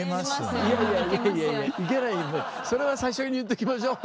それは最初に言っときましょう！